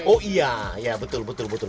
oh iya ya betul betul